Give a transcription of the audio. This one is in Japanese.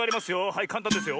はいかんたんですよ。